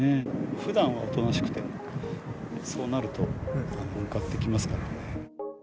ふだんはおとなしくても、そうなると、向かってきますからね。